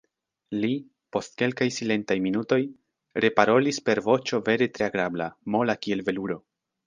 Li, post kelkaj silentaj minutoj, reparolis per voĉo vere tre agrabla, mola kiel veluro: